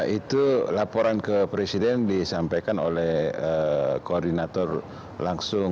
itu laporan ke presiden disampaikan oleh koordinator langsung